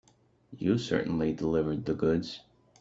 You certainly delivered the goods.